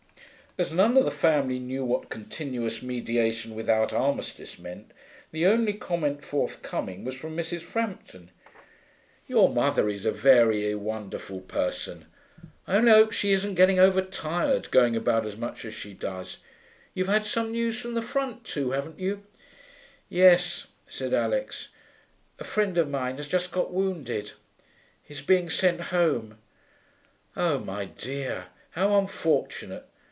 As none of the family knew what Continuous Mediation without Armistice meant, the only comment forthcoming was, from Mrs. Frampton, 'Your mother is a very wonderful person. I only hope she isn't getting over tired, going about as much as she does.... You've had some news from the front too, haven't you?' 'Yes,' said Alix. 'A friend of mine has just got wounded. He's being sent home.' 'Oh, my dear, how unfortunate!